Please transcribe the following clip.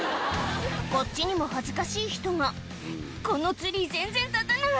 こっちにも恥ずかしい人が「このツリー全然立たない！